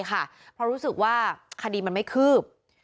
เพราะรู้สึกว่าคดีมันไม่คืบ